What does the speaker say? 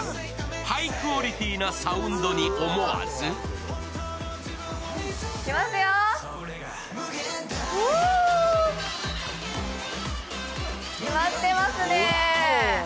ハイクオリティなサウンドに思わず決まってますねぇ。